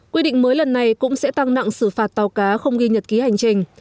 quy định mới lần này cũng sẽ tăng nặng xử phạt tàu cá không ghi nhật ký hành trình